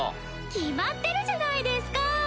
決まってるじゃないですか。